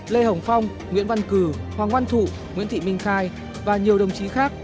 lê hồng phong nguyễn văn cử hoàng oanh thụ nguyễn thị minh khai và nhiều đồng chí khác